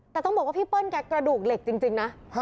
แต่ต้องบอกว่าพี่เปิ้ลแกกระดูกเหล็กจริงนะ